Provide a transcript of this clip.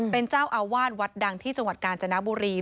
เป็นเจ้าอาวาสวัดดังที่จังหวัดกาญจนบุรี